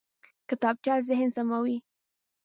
کتابچه ذهن سموي